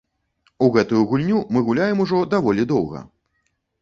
У гэтую гульню мы гуляем ужо даволі доўга.